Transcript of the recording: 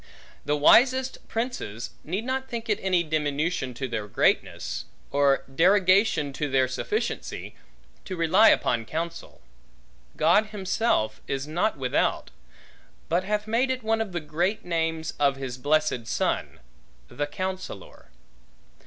The wisest princes need not think it any diminution to their greatness, or derogation to their sufficiency, to rely upon counsel. God himself is not without, but hath made it one of the great names of his blessed Son: The Counsellor.